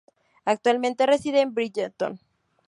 Actualmente reside en Brighton